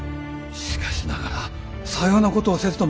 しかしながらさようなことをせずとも。